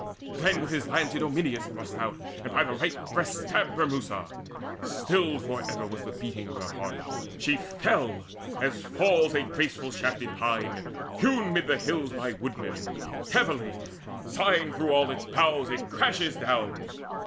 Then with his lance Idomeneus thrust out, And by the right breast stabbed Bremusa. Stilled For ever was the beating of her heart. She fell, as falls a graceful shafted pine Hewn mid the hills by woodmen: heavily, Sighing through all its boughs, it crashes down.